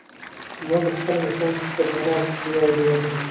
موږ د خپلو مشرانو فکري میراث په ویاړ یادوو.